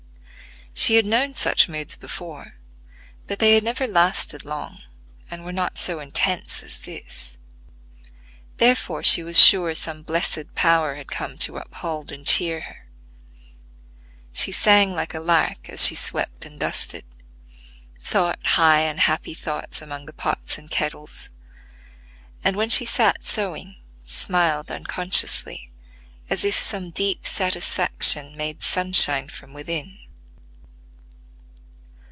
She had known such moods before, but they had never lasted long, and were not so intense as this; therefore, she was sure some blessed power had come to uphold and cheer her. She sang like a lark as she swept and dusted; thought high and happy thoughts among the pots and kettles, and, when she sat sewing, smiled unconsciously as if some deep satisfaction made sunshine from within.